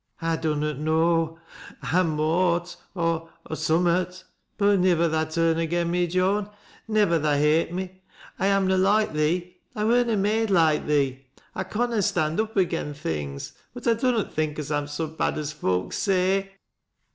" I dunnot know ; I mought, or — or — summat. Bnt niwer tha turn agen me, Joan, — nivver tha hate me. I am na loike thee, — I wur na made loike thee. 1 conna stand up agen things, but I dunnot think as I'm so bad as foaks say